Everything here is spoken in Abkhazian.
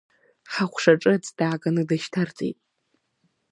Ҳаҟәшаҿы аӡәы дааганы дышьҭарҵеит…